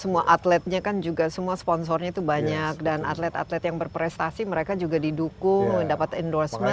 semua atletnya kan juga semua sponsornya itu banyak dan atlet atlet yang berprestasi mereka juga didukung mendapat endorsement